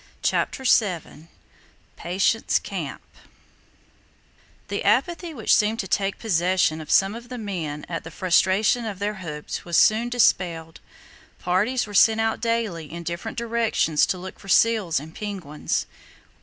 CHAPTER VII PATIENCE CAMP The apathy which seemed to take possession of some of the men at the frustration of their hopes was soon dispelled. Parties were sent out daily in different directions to look for seals and penguins.